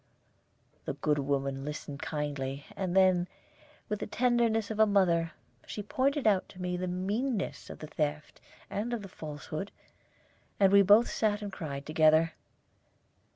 The good woman listened kindly; and then, with the tenderness of a mother, she pointed out to me the meanness of the theft and of the falsehood, and we both sat and cried together.